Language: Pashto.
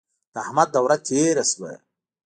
د احمد دوره تېره شوه.